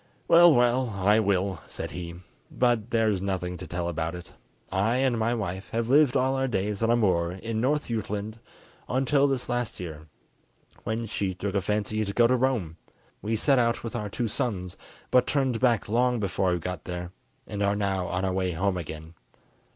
"Well, well, I will," said he, "but there is nothing to tell about it. I and my wife have lived all our days on a moor in North Jutland, until this last year, when she took a fancy to go to Rome. We set out with our two sons but turned back long before we got there, and are now on our way home again.